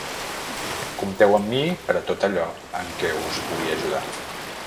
Compteu amb mi per a tot allò en què us pugui ajudar.